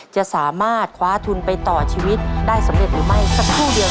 จะสามารถคว้าทุนไปต่อชีวิตได้สำเร็จหรือไม่สักครู่เดียว